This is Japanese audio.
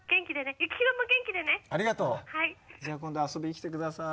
じゃあ今度遊びに来てください。